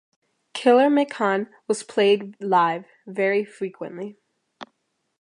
"Killer McHann" was played live very frequently.